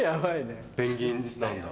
ペンギンなんだ。